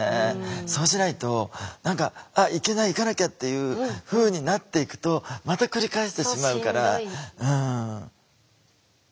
そうしないと何か「いけない行かなきゃ」っていうふうになっていくとまた繰り返してしまうから。